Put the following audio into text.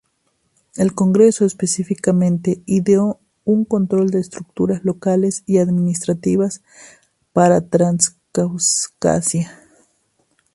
El congreso específicamente ideó un control de las estructuras locales y administrativas para Transcaucasia.